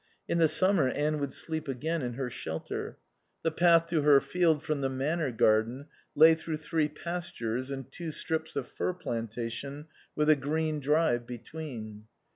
In the summer Anne would sleep again in her shelter. The path to her field from the Manor garden lay through three pastures and two strips of fir plantation with a green drive between.